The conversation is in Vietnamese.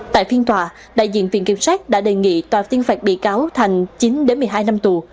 tại phiên tòa đại diện viện kiểm sát đã đề nghị tòa tuyên phạt bị cáo thành chín một mươi hai năm tù